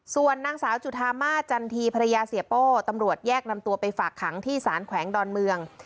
ส่วนนางสาวจุธามาสจันทีภรรยาเสียโป้ตำรวจแยกนำตัวไปฝากขังที่สารแขวงดอนเมือง